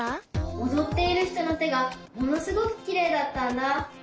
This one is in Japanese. おどっているひとのてがものすごくきれいだったんだ。